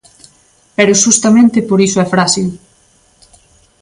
Pero xustamente por iso é fráxil.